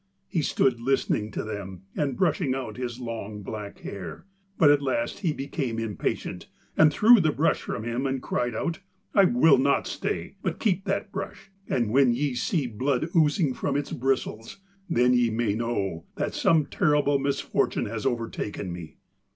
He stood listening to them and brushing out his long black hair, but at last he became impatient, and threw the brush from him and cried out: 'I will not stay, but keep that brush, and when ye see blood oozing from its bristles, then ye may know that some terrible misfortune has overtaken me.'